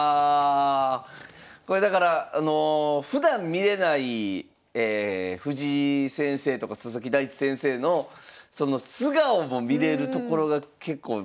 これだからあのふだん見れない藤井先生とか佐々木大地先生のその素顔も見れるところが結構魅力かもしれないですよね。